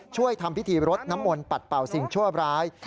ช่วยทำพิธีรดน้ำมนปัดเป่าสิ่งชอบร้าย